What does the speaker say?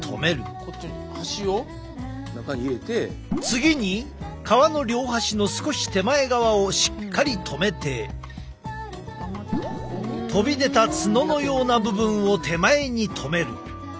次に皮の両端の少し手前側をしっかりとめて飛び出た角のような部分を手前にとめる。